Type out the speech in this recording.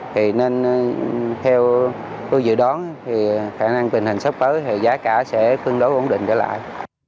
thì nên theo tôi dự đoán thì khả năng tình hình sắp tới thì giá cả sẽ phân đấu ổn định trở lại